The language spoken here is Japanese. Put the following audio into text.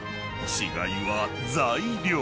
違いは材料］